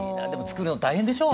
作るの大変でしょ？